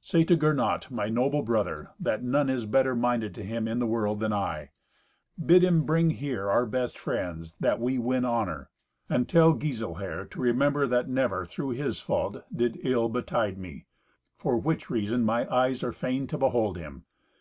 Say to Gernot, my noble brother, that none is better minded to him in the world than I. Bid him bring here our best friends, that we win honour. And tell Giselher to remember that never, through his fault, did ill betide me; for which reason mine eyes are fain to behold him.